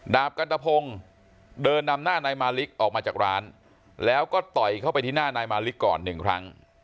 กันตะพงศ์เดินนำหน้านายมาลิกออกมาจากร้านแล้วก็ต่อยเข้าไปที่หน้านายมาลิกก่อนหนึ่งครั้ง